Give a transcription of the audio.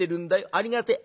ありがてえ。